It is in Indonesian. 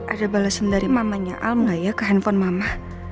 ada balasan dari mamanya al nggak ya ke handphone mama